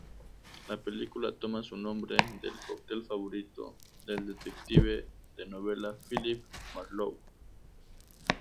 La película toma su nombre del cóctel favorito del detective de novela Philip Marlowe.